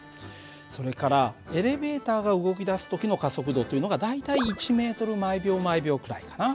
それからエレベーターが動きだす時の加速度というのが大体１ｍ／ｓくらいかな。